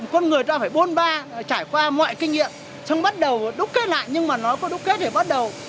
con người ta phải bôn ba trải qua mọi kinh nghiệm xong bắt đầu đúc kết lại nhưng mà nói có đúc kết thì bắt đầu